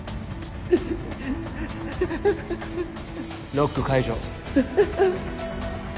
ロック解除。